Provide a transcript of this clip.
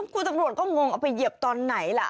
คุณตำรวจก็งงเอาไปเหยียบตอนไหนล่ะ